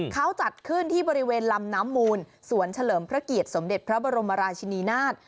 เขาจัดขึ้นที่บริเวณลำน้ำมูลสวนเฉลิมพระเกียรติสมเด็จพระบรมราชินีนาฏ